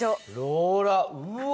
ローラーうわ！